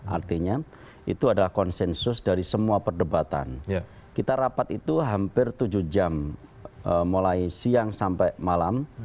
artinya itu adalah konsensus dari semua perdebatan kita rapat itu hampir tujuh jam mulai siang sampai malam